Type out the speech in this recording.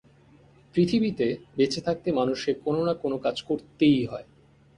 পৃথিবীতে বেঁচে থাকতে মানুষকে কোনো না কোনো কাজ করতেই হয়।